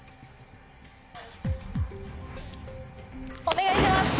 お願いします！